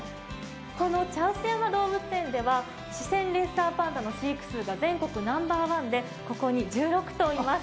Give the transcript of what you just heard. この茶臼山動物園では、レッサーパンダの飼育数が全国ナンバーワンで、ここに１６頭います。